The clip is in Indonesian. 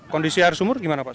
kondisi air sumur gimana pak